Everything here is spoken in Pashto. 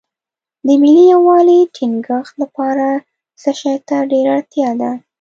د ملي یووالي ټینګښت لپاره څه شی ته ډېره اړتیا ده.